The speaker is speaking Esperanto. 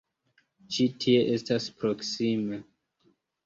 Ĉi tie estas proksime.